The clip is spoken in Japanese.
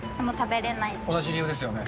同じ理由ですよね。